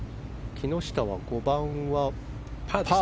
木下は５番はパー。